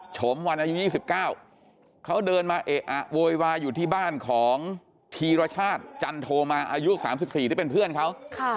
ชมวันอายุ๒๙เขาเดินมาเอะอะโวยวายอยู่ที่บ้านของธีรชาติจันโทมาอายุ๓๔ที่เป็นเพื่อนเขา